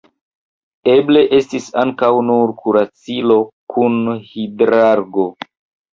Eble estis ankaŭ nur kuracilo kun hidrargo.